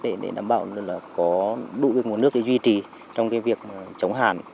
để đảm bảo có đủ nguồn nước để duy trì trong việc chống hạn